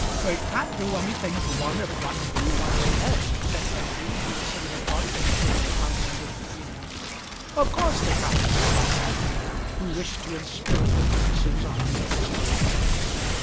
"They can't do anything to one if one do one's best?" said Kenneby, who was sitting apart from the table while the others were eating. "Of course they can't," said Dockwrath, who wished to inspirit the witnesses on his own side.